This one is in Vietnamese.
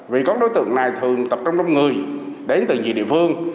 vì các đối tượng này thường tập trung đông người đến từ nhiều địa phương